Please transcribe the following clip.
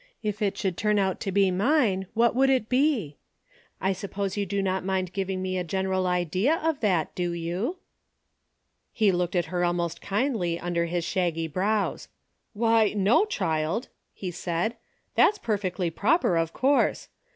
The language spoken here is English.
If it should turn out to be mine, what would it be? I suppose you do not mind giving me a general idea of that, do you ?" He looked at her almost kindly under his shaggy brows. " Why no, child !" he said. " That's perfectly proper, of course.